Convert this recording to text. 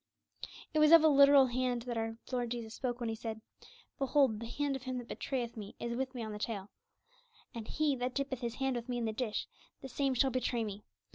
_ It was of a literal hand that our Lord Jesus spoke when He said, 'Behold, the hand of him that betrayeth Me is with Me on the table;' and, 'He that dippeth his hand with Me in the dish, the same shall betray Me.'